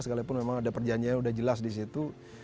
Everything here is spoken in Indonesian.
sekalipun memang ada perjanjian sudah jelas di situ